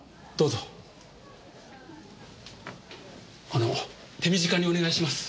あの手短にお願いします。